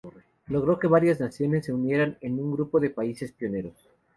Logró que varias naciones se unieran en un grupo de "países pioneros".